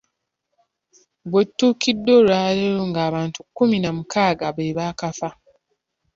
We butuukidde olwaleero ng’abantu kkumi na mukaaga be baakafa.